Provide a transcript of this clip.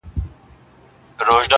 ډېوې پوري